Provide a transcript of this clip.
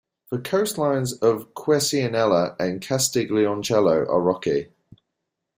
The coastlines of Quercianella and Castiglioncello are rocky.